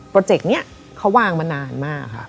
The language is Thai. เจกต์นี้เขาวางมานานมากค่ะ